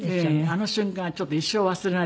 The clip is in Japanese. あの瞬間はちょっと一生忘れないと思います。